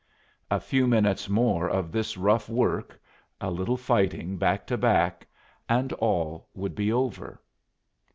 A few minutes more of this rough work a little fighting back to back and all would be over.